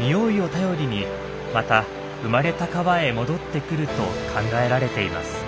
においをたよりにまた生まれた川へ戻ってくると考えられています。